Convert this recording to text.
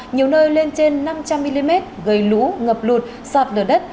nhiều nơi lên trên năm trăm linh mm gây lũ ngập lụt sạt lở đất